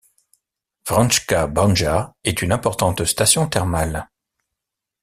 Vranjska Banja est une importante station thermale.